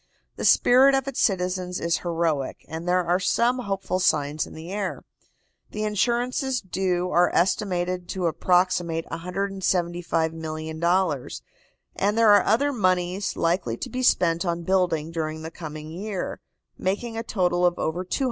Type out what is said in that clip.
The spirit of its citizens is heroic, and there are some hopeful signs in the air. The insurances due are estimated to approximate $175,000,000, and there are other moneys likely to be spent on building during the coming year, making a total of over $200,000,000.